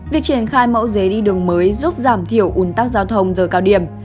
việc triển khai mẫu giấy đi đường mới giúp giảm thiểu ủn tắc giao thông giờ cao điểm